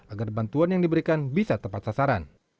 agar bantuan yang diberikan bisa tepat sasaran